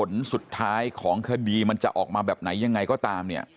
แต่ไม่ว่าผลสุดท้ายของคดีมันจะออกมาแบบไหนยังไงก็ตาม